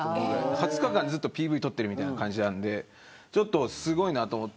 ２０日間ずっとＰＶ撮ってるみたいな感じなんですごいなと思った。